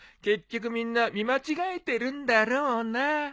結局みんな見間違えてるんだろうな。